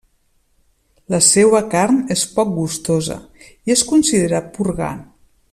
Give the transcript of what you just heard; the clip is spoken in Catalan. La seua carn és poc gustosa i es considera purgant.